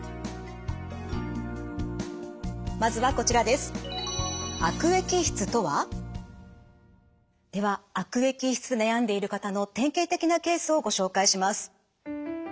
では悪液質で悩んでいる方の典型的なケースをご紹介します。